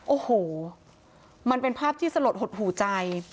โอ้โหมันเป็นภาพที่สลดหดหูใจ